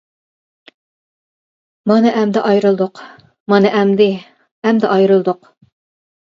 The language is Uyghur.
مانا ئەمدى ئايرىلدۇق، مانا ئەمدى ئەمدى ئايرىلدۇق.